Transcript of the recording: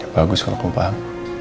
bagus kalau kamu paham